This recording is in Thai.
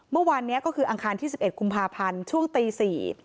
เมื่อวานนี้ก็คืออังคารที่๑๑กุมภาพันธ์ช่วงตีสี่